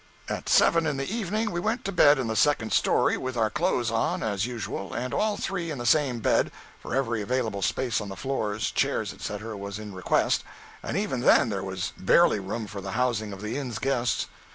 218.jpg (37K) At seven in the evening we went to bed in the second story—with our clothes on, as usual, and all three in the same bed, for every available space on the floors, chairs, etc., was in request, and even then there was barely room for the housing of the inn's guests.